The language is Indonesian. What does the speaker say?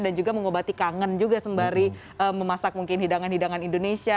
juga mengobati kangen juga sembari memasak mungkin hidangan hidangan indonesia